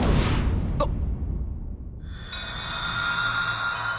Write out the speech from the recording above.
あっ。